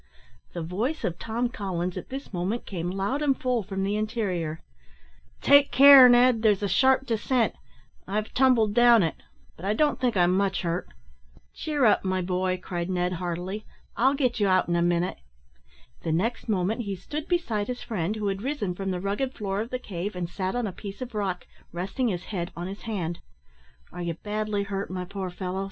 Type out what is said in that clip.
The voice of Tom Collins at this moment came loud and full from the interior, "Take care, Ned, there's a sharp descent; I've tumbled down it, but I don't think I'm much hurt." "Cheer up, my boy," cried Ned, heartily; "I'll get you out in a minute." The next moment he stood beside his friend, who had risen from the rugged floor of the cave, and sat on a piece of rock, resting his head on his hand. "Are you badly hurt, my poor fellow?"